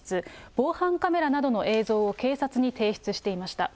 防犯カメラなどの映像を警察に提出していました。